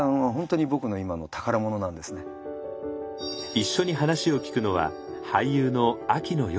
一緒に話を聞くのは俳優の秋野暢子さん。